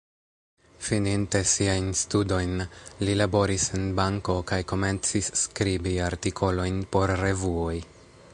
Fininte siajn studojn, li laboris en banko kaj komencis skribi artikolojn por revuoj.